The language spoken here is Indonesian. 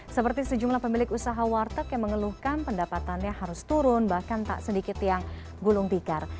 seperti sejumlah pemilik usaha warteg yang mengeluhkan pendapatannya harus turun bahkan tak sedikit yang gulung tikar